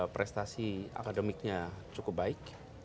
prestasi akademiknya cukup baik